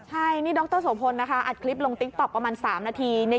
ใช่นี่ดรโสพลนะคะอัดคลิปลงติ๊กต๊อกประมาณ๓นาทีเนี่ย